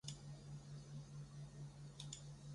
云南高原鳅为鳅科高原鳅属的鱼类。